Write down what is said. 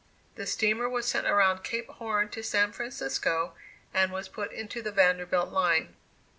The steamer was sent around Cape Horn to San Francisco, and was put into the Vanderbilt line.